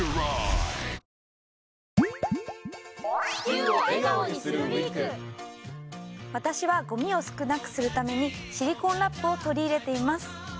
今夜の「ｎｅｗｓ２３」は私はごみを少なくするためにシリコンラップを取り入れています